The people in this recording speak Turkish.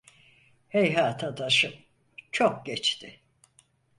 Heyhat adaşım, çok geçti.